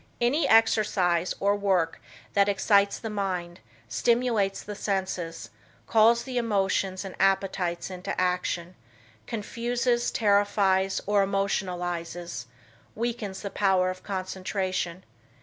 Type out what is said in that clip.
Any exercise or work that excites the mind, stimulates the senses, calls the emotions and appetites into action, confuses, terrifies or emotionalizes, weakens the power of concentration.